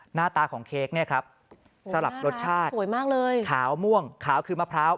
หน้าตาของเค้กเนี่ยครับสลับรสชาติสวยมากเลยขาวม่วงขาวคือมะพร้าว